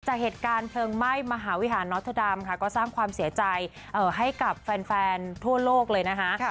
จากเหตุการณ์เพลิงไหม้มหาวิหารนอเตอร์ดามค่ะก็สร้างความเสียใจให้กับแฟนทั่วโลกเลยนะคะ